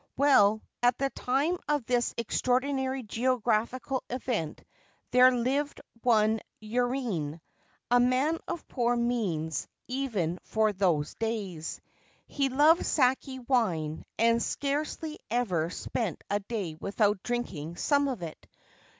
Well, at the time of this extraordinary geographical event, there lived one Yurine, a man of poor means even for those days. He loved sake wine, and scarcely ever spent a day without drinking some of it.